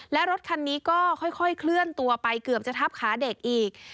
และรถคันนี้ก็ค่อยเคลื่อนตัวไปเกือบจะทับขาเด็กอีก